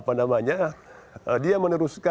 musnahannya seperti apa